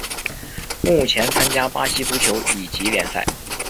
目前参加巴西足球乙级联赛。